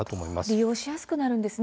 利用しやすくなるんですね